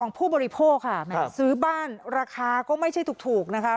ผู้บริโภคค่ะแหมซื้อบ้านราคาก็ไม่ใช่ถูกนะคะ